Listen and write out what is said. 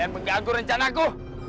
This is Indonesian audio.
kalian mengganggu rencanaku